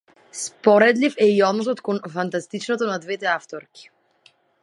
Споредлив е и односот кон фантастичното на двете авторки.